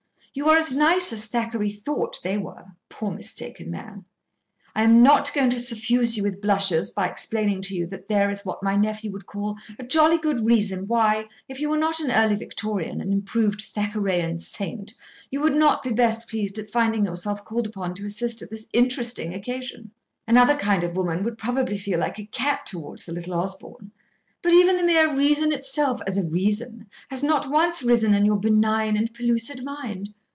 You are as nice as Thackeray thought they were, poor mistaken man. I am not going to suffuse you with blushes by explaining to you that there is what my nephew would call a jolly good reason why, if you were not an early Victorian and improved Thackerayian saint, you would not be best pleased at finding yourself called upon to assist at this interesting occasion. Another kind of woman would probably feel like a cat towards the little Osborn. But even the mere reason itself, as a reason, has not once risen in your benign and pellucid mind.